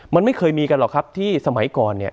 มันไม่เคยมีกันหรอกครับที่สมัยก่อนเนี่ย